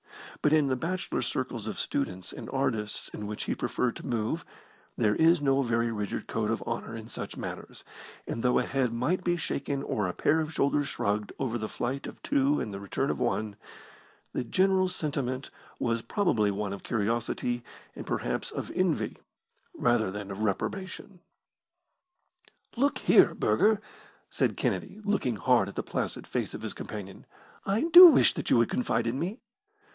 But in the bachelor circles of students and artists in which he preferred to move there is no very rigid code of honour in such matters, and though a head might be shaken or a pair of shoulders shrugged over the flight of two and the return of one, the general sentiment was probably one of curiosity and perhaps of envy rather than of reprobation. "Look here, Burger," said Kennedy, looking hard at the placid face of his companion, "I do wish that you would confide in me."